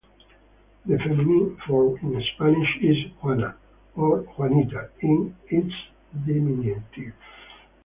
The feminine form in Spanish is Juana, or Juanita in its diminutive.